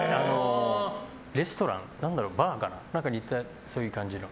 レストランバーかなそういう感じの。